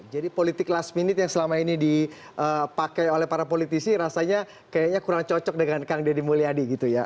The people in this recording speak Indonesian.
jadi politik last minute yang selama ini dipakai oleh para politisi rasanya kayaknya kurang cocok dengan kang deddy mulyadi gitu ya